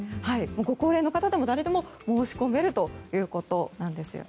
ご高齢の方でも、誰でも申し込めるんですね。